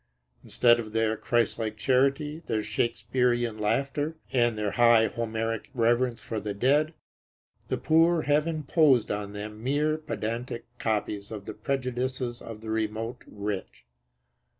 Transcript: Instead of their Christlike charity, their Shakespearean laughter and their high Homeric reverence for the dead, the poor have imposed on them mere pedantic copies of the prejudices of the remote rich.